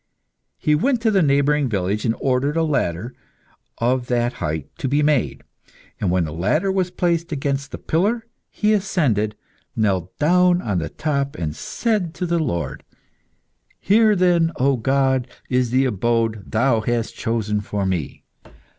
He went to the neighbouring village, and ordered a ladder of that height to be made; and when the ladder was placed against the pillar, he ascended, knelt down on the top, and said to the Lord "Here, then, O God, is the abode Thou hast chosen for me.